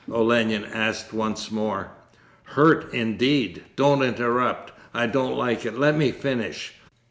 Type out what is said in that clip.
Olenin asked once more. 'Hurt, indeed! Don't interrupt: I don't like it. Let me finish.